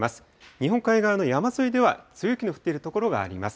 日本海側の山沿いでは強い雪の降っている所があります。